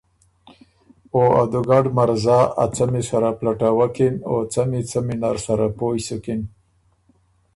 او دُوګډ مرزا ا څمی سره پلټَوَکِن او څمی څمی نر سره پویٛ سُکِن۔